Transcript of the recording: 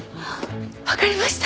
分かりました。